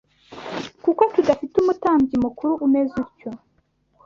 Kuko tudafite umutambyi mukuru umeze utyo